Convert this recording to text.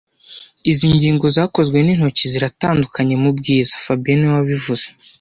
Izi ngingo zakozwe n'intoki ziratandukanye mubwiza fabien niwe wabivuze